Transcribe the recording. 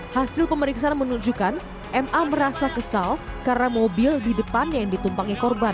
hasil pemeriksaan menunjukkan ma merasa kesal karena mobil di depannya yang ditumpangi korban